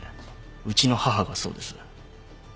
うちの母がそうです。